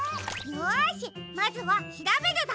よしまずは「しらべる」だ。